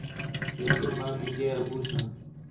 لیکن ماں مینجے ابو ساں